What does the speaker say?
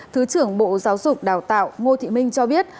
thứ trưởng bộ giáo dục đào tạo ngô thị minh cho biết